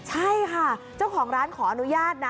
ใช่ค่ะเจ้าของร้านขออนุญาตนะ